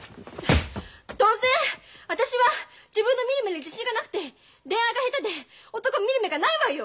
どうせ私は自分の見る目に自信がなくて恋愛が下手で男見る目がないわよ！